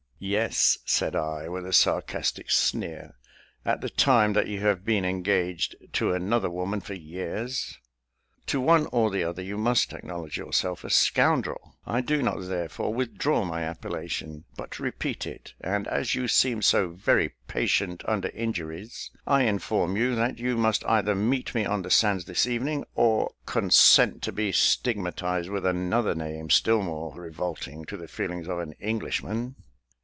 "Yes," said I, with a sarcastic sneer, "at the time that you have been engaged to another woman for years. To one or the other you must acknowledge yourself a scoundrel: I do not, therefore, withdraw my appellation, but repeat it; and as you seem so very patient under injuries, I inform you that you must either meet me on the sands this evening, or consent to be stigmatised with another name still more revolting to the feelings of an Englishman."